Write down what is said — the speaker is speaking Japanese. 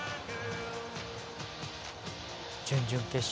準々決勝